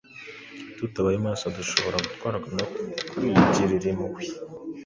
Tutabaye maso, dushobora gutwarwa no kwigirira impuhwe.